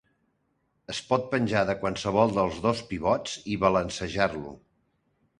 Es pot penjar de qualsevol dels dos pivots i balancejar-lo.